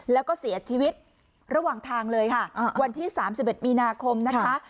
แล้วก็เสียชีวิตระหว่างทางเลยค่ะวันที่๓๑มีนาคมนะคะ